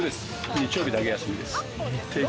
日曜日だけ休みです。